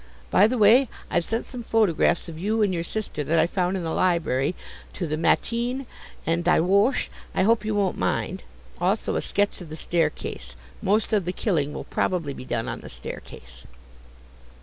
By the way, I've sent some photographs of you and your sister, that I found in the library, to the MATIN and DIE WOCHE; I hope you don't mind. Also a sketch of the staircase; most of the killing will probably be done on the staircase."